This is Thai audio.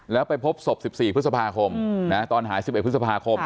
แล้วไปพบศพ๑๔พฤษภาคมตอนหาย๑๑พฤษภาคม